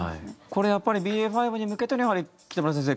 これやっぱりＢＡ．５に向けての北村先生